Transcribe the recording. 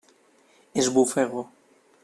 Esbufego.